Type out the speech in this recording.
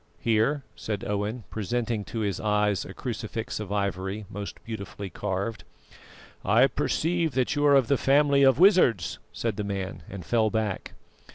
"Here," said Owen, presenting to his eyes a crucifix of ivory, most beautifully carved. "I perceive that you are of the family of wizards," said the man, and fell back.